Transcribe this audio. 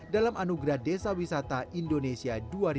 dalam anugerah desa wisata indonesia dua ribu dua puluh